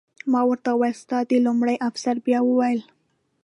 ما ورته وویل: ستا د... لومړي افسر بیا وویل.